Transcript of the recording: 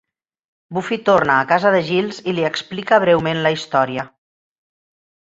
Buffy tornar a casa de Giles i li explica breument la història.